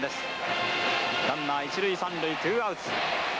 ランナー一塁三塁ツーアウト。